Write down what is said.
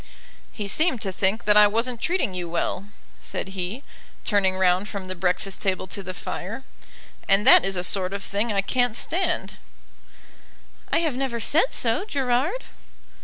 "He seemed to think that I wasn't treating you well," said he, turning round from the breakfast table to the fire, "and that is a sort of thing I can't stand." "I have never said so, Gerard."